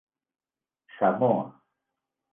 Samoa.